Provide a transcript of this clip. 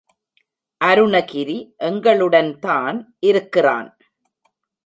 அருணகிரி எங்களுடன்தான் இருக்கிறான்.